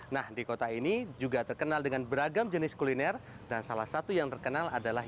nah di kota ini juga terkenal dengan beragam jenis kuliner dan salah satu yang terkenal adalah